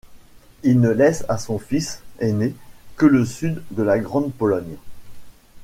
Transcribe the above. Il ne laisse à son fils aîné que le sud de la Grande Pologne.